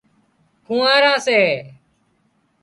ڪونهاران سي